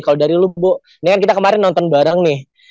kalau dari lubuk ini kan kita kemarin nonton bareng nih